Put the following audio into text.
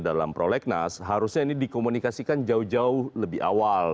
dalam prolegnas harusnya ini dikomunikasikan jauh jauh lebih awal